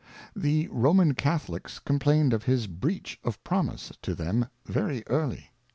The Roman Catholicks complained of his Breach of Promise to them very early.